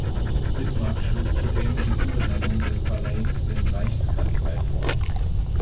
Bismarck schlug zudem die Umbenennung des Palais in "Reichskanzlei" vor.